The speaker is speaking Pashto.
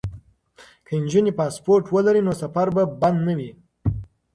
که نجونې پاسپورټ ولري نو سفر به بند نه وي.